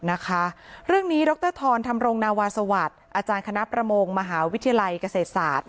นะคะเรื่องนี้ดรธรธรรมรงนาวาสวัสดิ์อาจารย์คณะประมงมหาวิทยาลัยเกษตรศาสตร์